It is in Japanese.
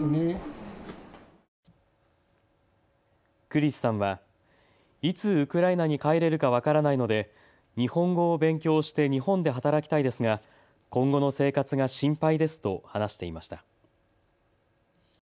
クリスさんはいつウクライナに帰れるか分からないので日本語を勉強して日本で働きたいですが今後の生活が心配ですと話していました。